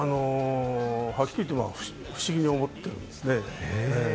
はっきり言って、不思議に思ってるんですね。